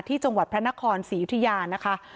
จังหวัดพระนครศรียุธยานะคะ